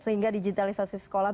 sehingga digitalisasi sekolah